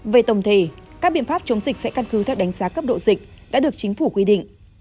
về tổng thể các biện pháp chống dịch sẽ căn cứ theo đánh giá cấp độ dịch đã được chính phủ quy định